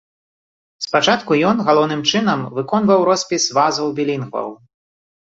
Спачатку ён, галоўным чынам, выконваў роспіс вазаў-білінгваў.